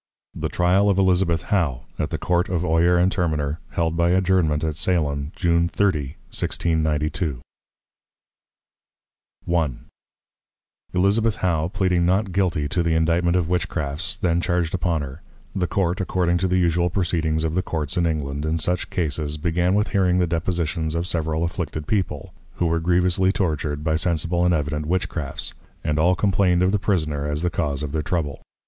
THE TRYAL OF ELIZABETH HOW, AT THE COURT OF OYER AND TERMINER, HELD BY ADJOURNMENT AT SALEM, JUNE 30. 1692. I. Elizabeth How pleading Not Guilty to the Indictment of Witchcrafts, then charged upon her; the Court, according to the usual Proceedings of the Courts in England, in such Cases, began with hearing the Depositions of several afflicted People, who were grievously tortured by sensible and evident Witchcrafts, and all complained of the Prisoner, as the cause of their Trouble.